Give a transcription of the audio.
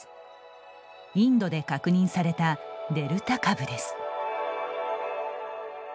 インドで確認されたデルタ株です。